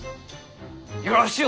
よろしゅう